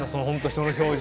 その表情！